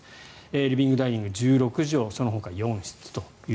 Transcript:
リビングダイニング１６畳そのほか４室と。